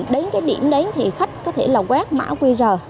đến cái điểm đến thì khách có thể là quét mã qr